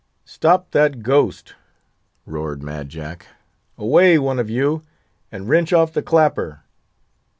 "Stop that ghost!" roared Mad Jack; "away, one of you, and wrench off the clapper!"